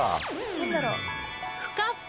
何だろう。